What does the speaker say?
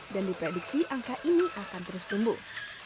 dan diprediksi angka ini akan terus tumbuh